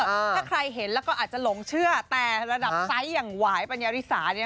ถ้าใครเห็นแล้วก็อาจจะหลงเชื่อแต่ระดับไซส์อย่างหวายปัญญาริสาเนี่ย